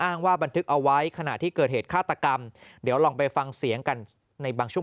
ว่าบันทึกเอาไว้ขณะที่เกิดเหตุฆาตกรรมเดี๋ยวลองไปฟังเสียงกันในบางช่วง